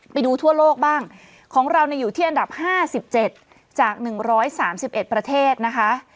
ไปดูทั่วโลกบ้างของเราอยู่ที่อันดับ๕๗จาก๑๓๑ประเทศนะคะ